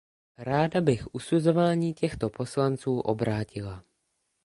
Ráda bych usuzování těchto poslanců obrátila.